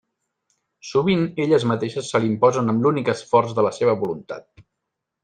Sovint elles mateixes se l'imposen amb l'únic esforç de la seva voluntat.